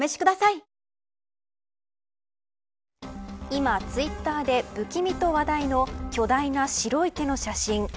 今ツイッターで不気味と話題の巨大な白い手の写真。